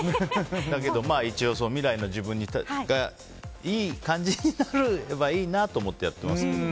だけど、一応未来の自分がいい感じになればいいなと思ってやってますけど。